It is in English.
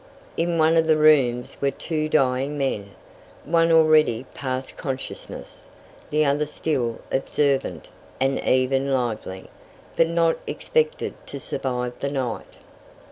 In one of the rooms were two dying men, one already past consciousness, the other still observant and even lively, but not expected to survive the night.